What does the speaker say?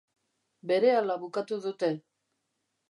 Berehala bukatu dute.